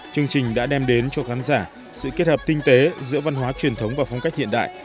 chương trình đã đem đến cho khán giả sự kết hợp tinh tế giữa văn hóa truyền thống và phong cách hiện đại